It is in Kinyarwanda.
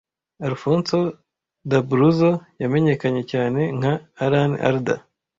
Alphonso D'Abruzzo yamenyekanye cyane nka Alan Alda